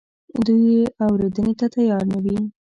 دوی یې اورېدنې ته تیار نه وي.